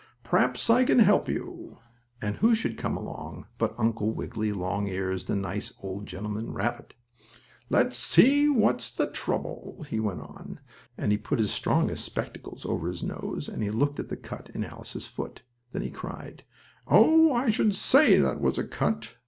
"Perhaps, I can help you," and who should come along but Uncle Wiggily Longears, the nice old gentleman rabbit. "Let us see what's the trouble," he went on, and he put his strongest spectacles over his nose and he looked at the cut in Alice's foot. Then he cried: "Oh, I should say that was a cut!